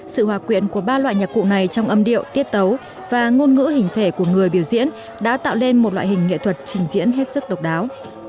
sự hòa quyện của ba loại nhạc cụ này trong âm điệu tiết tấu và ngôn ngữ hình thể của người biểu diễn đã tạo lên một loại hình nghệ thuật trình diễn hết sức độc đáo